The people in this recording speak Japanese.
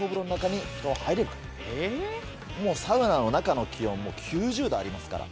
もうサウナの中の気温９０℃ありますから。